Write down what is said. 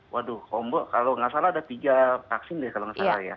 waduh hombok kalau nggak salah ada tiga vaksin deh kalau nggak salah ya